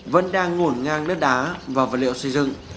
vẫn đang ngổn ngang đất đá và vật liệu xây dựng